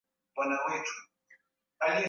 Kwa nini watu waweze kugharimia harusi.